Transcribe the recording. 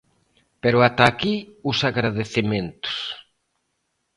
Pero ata aquí os agradecementos.